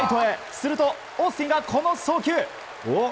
するとオースティンがこの送球。